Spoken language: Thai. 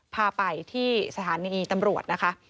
พาไปที่สถานีตำรวจนะคะ